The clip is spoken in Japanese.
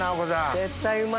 絶対うまい。